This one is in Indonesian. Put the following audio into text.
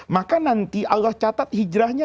maka nanti allah catat hijrahnya